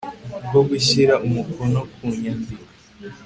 bwo gushyira umukono ku nyandiko